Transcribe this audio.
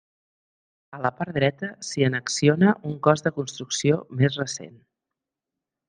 A la part dreta s'hi annexiona un cos de construcció més recent.